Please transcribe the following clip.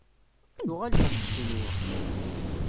Tuɣal-d seg Ccinwa.